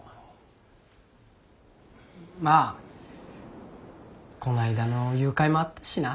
まあこの間の誘拐もあったしな。